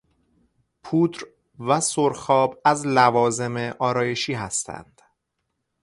پودر و سرخاب از لوازم آرایشی هستند.